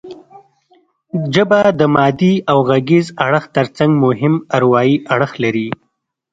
ژبه د مادي او غږیز اړخ ترڅنګ مهم اروايي اړخ لري